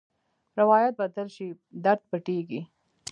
روایت بدل شي، درد پټېږي.